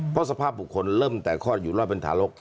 เพราะสภาพบุคคลเริ่มแต่คลอดอยู่รอดเป็นทารก